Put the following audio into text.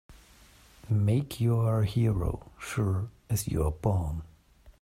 Make you're a hero sure as you're born!